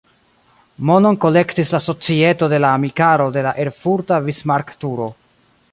Monon kolektis la Societo de la amikaro de la erfurta Bismarck-turo.